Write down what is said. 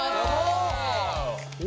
お！